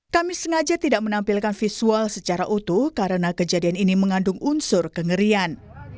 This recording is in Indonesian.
kami sengaja tidak menampilkan visual secara utuh karena kejadian ini mengandung unsur kengerian